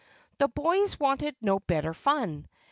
The boys wanted no better fun.